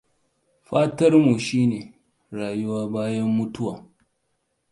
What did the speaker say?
Fatanmu shi ne rayuwa bayan mutuwa.